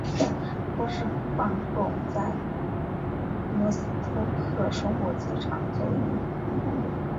获释放后在罗斯托克收获机厂做一名普通工人。